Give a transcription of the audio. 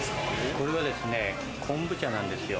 これは昆布茶なんですよ。